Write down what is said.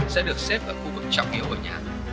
sẽ được xếp ở khu vực trọng yếu ở nhà